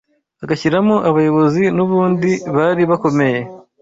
agashyiramo abayobozi n’ubundi bari bakomeye